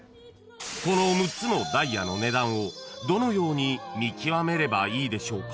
［この６つのダイヤの値段をどのように見極めればいいでしょうか？］